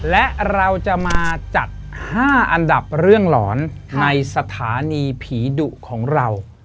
และเราจะมาจัด๕อันดับเรื่องหลอนในสถานีผีดุของเรา